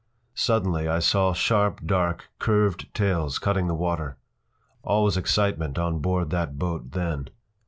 ” Suddenly I saw sharp, dark, curved tails cutting the water. All was excitement on board that boat then.